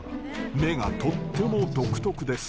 目がとっても独特です。